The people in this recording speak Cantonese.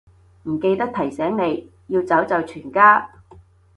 唔記得提醒你，要走就全家